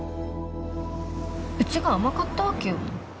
うちが甘かったわけよ。